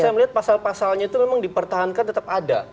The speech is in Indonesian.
saya melihat pasal pasalnya itu memang dipertahankan tetap ada